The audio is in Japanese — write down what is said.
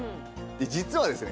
実はですね